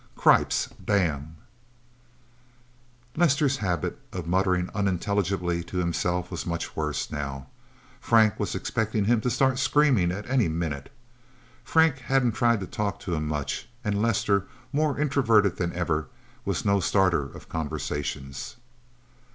Cripes...! Damn...! Lester's habit of muttering unintelligibly to himself was much worse, now. Frank was expecting him to start screaming at any minute. Frank hadn't tried to talk to him much, and Lester, more introverted than ever, was no starter of conversations.